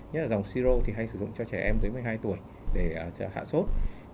nhất là dòng siro thì hay sử dụng cho trẻ em dưới một mươi hai tuổi để hạ sốt